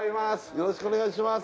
よろしくお願いします